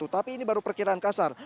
tapi ini baru perkiraan kasar